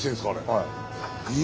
はい。